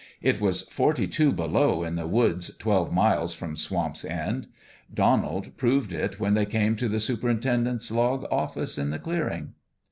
It was forty two below in the woods twelve miles from Swamp's End : Donald proved it when they came to the superintendent's log office in the clearing.